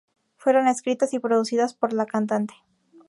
Fueron escritas y producidas por la cantante.